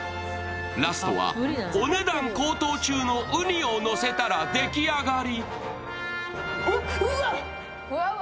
ラストは、お値段高騰中のうにをのせたら、でき上がり。